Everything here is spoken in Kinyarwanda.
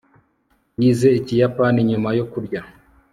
yize ikiyapani nyuma yo kurya